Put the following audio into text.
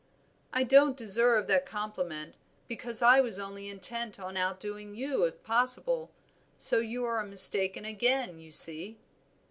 "I don't deserve that compliment, because I was only intent on outdoing you if possible; so you are mistaken again you see."